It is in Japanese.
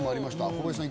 小林さん